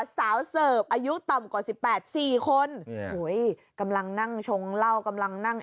สาวเสิร์ฟอายุต่ำกว่าสิบแปดสี่คนโอ้โหกำลังนั่งชงเหล้ากำลังนั่ง